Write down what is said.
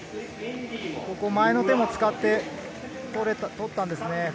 前の手も使って取ったんですね。